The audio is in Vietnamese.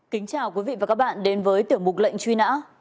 kính chào quý vị và các bạn đến với tiểu mục lệnh truy nã